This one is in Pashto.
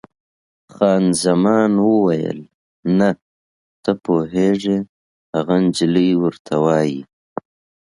خان زمان وویل: نه، ته پوهېږې، هغه انجلۍ ورته وایي.